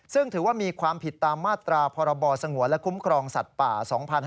ซึ่งถือว่ามีความผิดตามมาตราพรบสงวนและคุ้มครองสัตว์ป่า๒๕๕๙